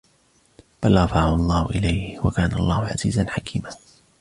بَلْ رَفَعَهُ اللَّهُ إِلَيْهِ وَكَانَ اللَّهُ عَزِيزًا حَكِيمًا